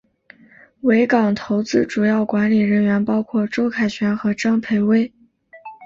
维港投资主要管理人员包括周凯旋和张培薇。